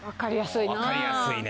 わかりやすいな。